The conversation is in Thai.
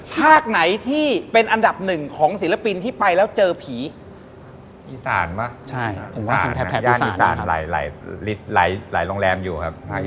พวกนี้ยังเก็บลิสต์ไว้อยู่